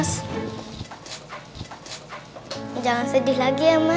assalamualaikum warahmatullahi wabarakatuh